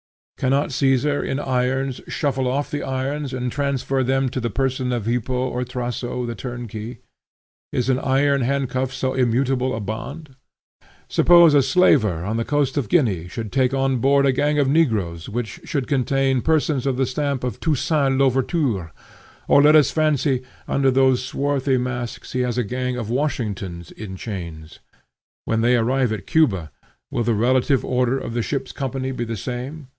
Cannot Caesar in irons shuffle off the irons and transfer them to the person of Hippo or Thraso the turnkey? Is an iron handcuff so immutable a bond? Suppose a slaver on the coast of Guinea should take on board a gang of negroes which should contain persons of the stamp of Toussaint L'Ouverture: or, let us fancy, under these swarthy masks he has a gang of Washingtons in chains. When they arrive at Cuba, will the relative order of the ship's company be the same?